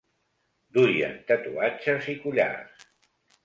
Duien tatuatges i collars.